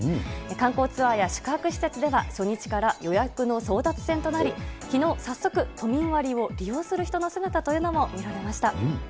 観光ツアーや宿泊施設では、初日から予約の争奪戦となり、きのう、早速、都民割を利用する人の姿というのも見られました。